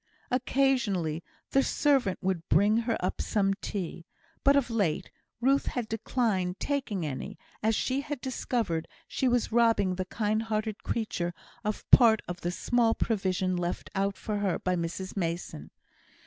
Occasionally the servant would bring her up some tea; but of late Ruth had declined taking any, as she had discovered she was robbing the kind hearted creature of part of the small provision left out for her by Mrs Mason.